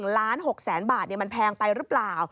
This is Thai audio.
ล้าน๖แสนบาทมันแพงไปหรือเปล่า